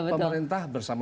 tapi pemerintah bersama